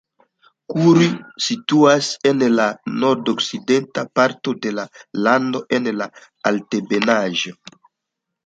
Kuri situas en la nordokcidenta parto de la lando en altebenaĵo.